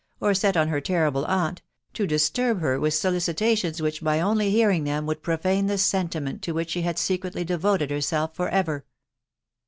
or set on her terrible aunt .... to disturb her with solicitations which, by only 1 hearing them, weald profane the sentiment to which she had secretly devoted herself for ever.